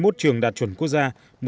hai mươi một trường đạt chuẩn quốc gia